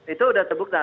itu udah terbuka